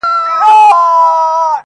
چي بيزو او بيزو وان پر راښكاره سول؛